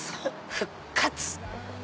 復活！